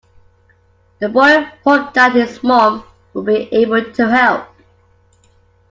The boy hoped that his mum would be able to help